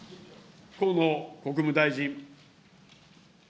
河野国務大臣。